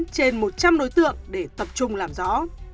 trên một trăm linh đối tượng để tập trung làm rõ